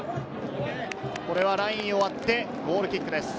これはラインを割ってゴールキックです。